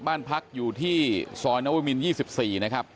บ้านพักอยู่ที่ซอยนวมิน๒๔นะครับ